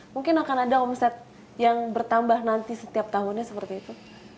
mungkin akan ada omset yang bertambah nanti setiap tahunnya seperti itu